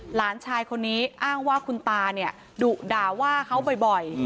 หลานชายคนนี้อ้างว่าคุณตาเนี่ยดุด่าว่าเขาบ่อย